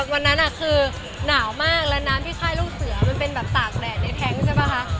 วันนั้นคือหนาวมากแล้วน้ำที่ค่ายลูกเสือมันเป็นแบบตากแดดในแท้งใช่ป่ะคะ